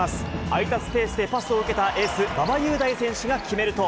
空いたスペースでパスを受けたエース、馬場雄大選手が決めると。